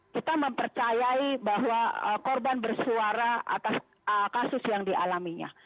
kita mempercayai bahwa korban bersuara atas kasus yang dialaminya